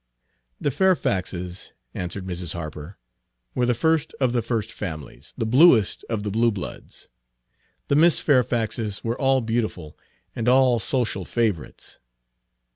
"The Fairfaxes," answered Mrs. Harper, "were the first of the first families, the bluest of the blue bloods. The Miss Fairfaxes were all beautiful and all social favorites."